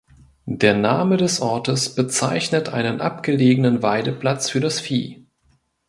Der Name des Ortes bezeichnet einen abgelegenen Weideplatz für das Vieh.